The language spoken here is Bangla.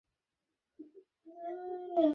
অবাক হচ্ছি, তারা আমার চোখে পড়ল না কেন।